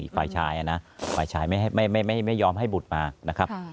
อีกฝ่ายชายอ่ะนะฝ่ายชายไม่ให้ไม่ไม่ไม่ยอมให้บุตรมานะครับ